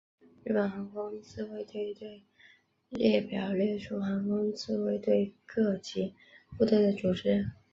日本航空自卫队队列表列出航空自卫队各级部队的组织。